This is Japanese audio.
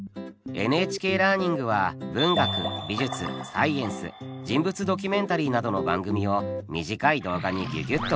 ＮＨＫラーニングは文学美術サイエンス人物ドキュメンタリーなどの番組を短い動画にギュギュッと凝縮。